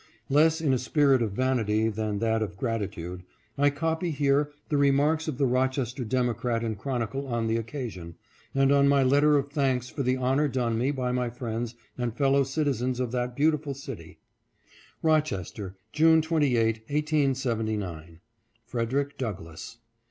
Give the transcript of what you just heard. Less in a spirit of vanity than that of gratitude, I copy here the remarks of the Rochester Democrat and Chronicle on the occasion, and on my letter of thanks for the honor done me by my friends and fellow citizens of that beautiful city : Rochestek, June 28, 1879. FREDERICK DOUGLASS.